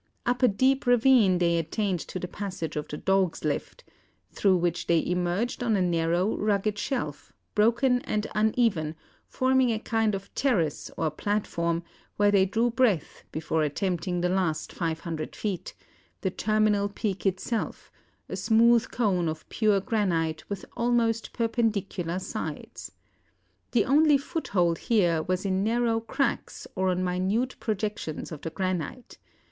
Up a deep ravine they attained to the passage of the "Dog's Lift," through which they emerged on a narrow, rugged shelf, broken and uneven, forming a kind of terrace or platform, where they drew breath before attempting the last 500 feet the terminal peak itself, a smooth cone of pure granite with almost perpendicular sides. The only foothold here was in narrow cracks or on minute projections of the granite.